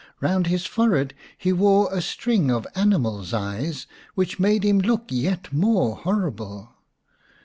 Kound his forehead he wore a string of animals' eyes, which made him look yet more horrible.